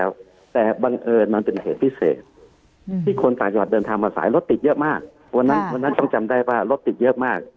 วันนั้นต้องจำได้ว่ารถติดเยอะมาก